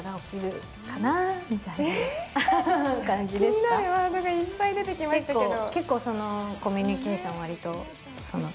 気になるワードがいっぱい出てきますけど。